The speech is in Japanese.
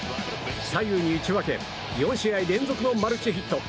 左右に打ち分け４試合連続のマルチヒット。